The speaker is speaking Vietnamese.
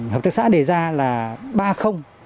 hợp tác xã đề ra là ba không